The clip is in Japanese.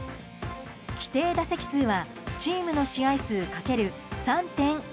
規定打席数はチームの試合数かける３．１。